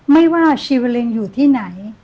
ไม่ว่าชีวาเล็งอยู่ที่ไหน